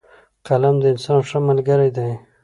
قلم د انسان ښه ملګری دی